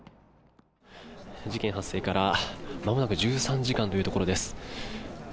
事件発生からまもなく１３時間というところです。